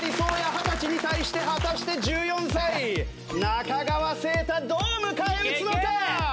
２０歳に対して果たして１４歳中川惺太どう迎え撃つのか！？